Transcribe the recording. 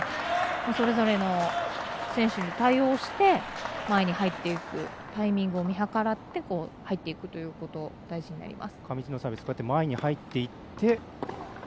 それぞれの選手に対応して前に入っていくタイミングを見計らって入っていくということ大事になります。